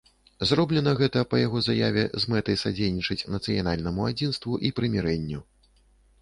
Зроблена гэта, па яго заяве, з мэтай садзейнічаць нацыянальнаму адзінству і прымірэнню.